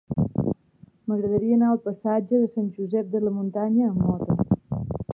M'agradaria anar al passatge de Sant Josep de la Muntanya amb moto.